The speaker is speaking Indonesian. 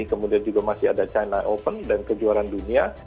kemudian juga masih ada china open dan kejuaraan dunia